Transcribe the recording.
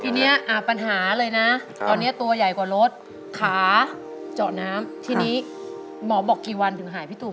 ทีนี้ปัญหาเลยนะตอนนี้ตัวใหญ่กว่ารถขาเจาะน้ำทีนี้หมอบอกกี่วันถึงหายพี่ตูม